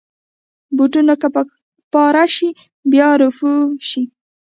بوټونه که پاره شي، باید رفو شي.